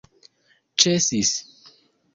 ĉesis